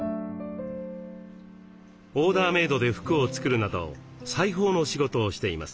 オーダーメードで服を作るなど裁縫の仕事をしています。